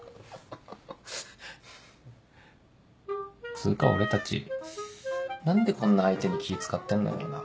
つうか俺たち何でこんな相手に気ぃ使ってんだろうな。